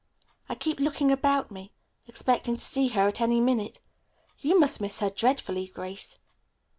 "I keep looking about me, expecting to meet her at any minute. You must miss her dreadfully, Grace."